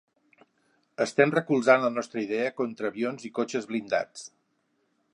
Estem recolzant la nostra idea contra avions i cotxes blindats.